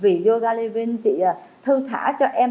vì yoga living chị thương thả cho em